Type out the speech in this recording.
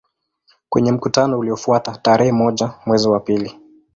Kwenye mkutano uliofuata tarehe moja mwezi wa pili